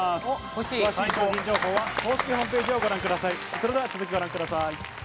詳しい商品情報は公式ホームページをご覧ください。